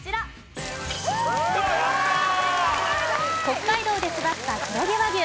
北海道で育った黒毛和牛。